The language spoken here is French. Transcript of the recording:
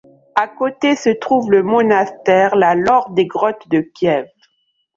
À côté se trouve le monastère, la laure des Grottes de Kiev.